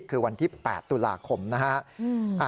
คือวันที่๘ตุลาคมนะฮะ